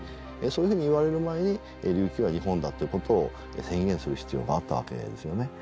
そういうふうに言われる前に琉球は日本だという事を宣言する必要があったわけですよね。